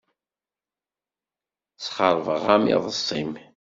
Sxeṛbeɣ-am iḍes-im.